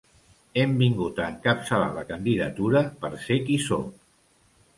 Hem vingut a encapçalar la candidatura per ser qui sóc.